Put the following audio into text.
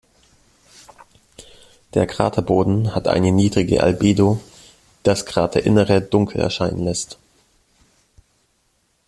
Der Kraterboden hat eine niedrige Albedo, die das Kraterinnere dunkel erscheinen lässt.